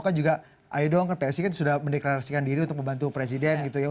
kan juga ayo doang ke psi kan sudah mendeklarasikan diri untuk membantu presiden